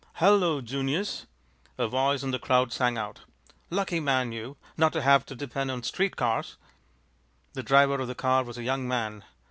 "Halloo, Junius!" a voice in the crowd sang out. "Lucky man you, not to have to depend on street cars!" The driver of the car was a young man.